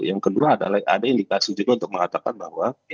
yang kedua adalah ada indikasi juga untuk mengatakan bahwa